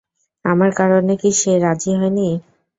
আমার কারণে কি সে রাজি হয়নি?